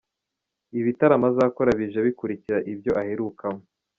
Ibi bitaramo azakora bije bikurikira ibyo aherukamo.